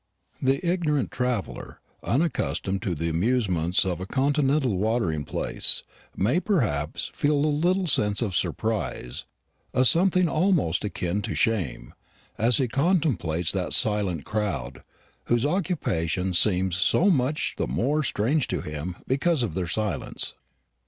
The ignorant traveller, unaccustomed to the amusements of a Continental watering place, may perhaps feel a little sense of surprise a something almost akin to shame as he contemplates that silent crowd, whose occupation seems so much the more strange to him because of their silence.